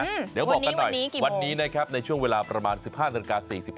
เดี๋ยวบอกกันหน่อยวันนี้นะครับในช่วงเวลาประมาณ๑๕นาฬิกา๔๕